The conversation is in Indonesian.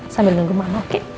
sambil nunggu mama oke